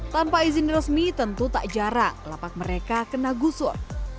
tanpa izin resmi tentu tak jarang lapak mereka kena gusur